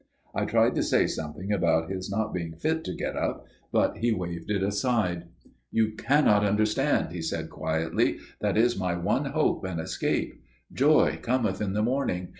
I tried to say something about his not being fit to get up, but he waved it aside. "You cannot understand," he said quietly. "That is my one hope and escape. Joy cometh in the morning.